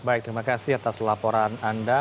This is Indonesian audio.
baik terima kasih atas laporan anda